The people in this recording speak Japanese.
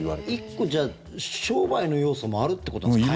１個じゃあ商売の要素もあるってことなんですか。